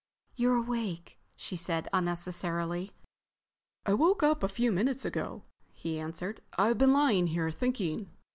"You're awake," she said, unnecessarily. "I woke up a few minutes ago," he answered. "I've been lying here—thinking."